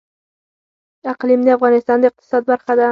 اقلیم د افغانستان د اقتصاد برخه ده.